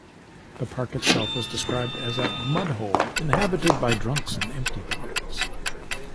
The park itself was described as a "mudhole inhabited by drunks and empty bottles".